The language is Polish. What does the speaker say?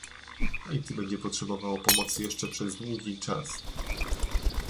Haiti będzie potrzebowało pomocy jeszcze przez długi czas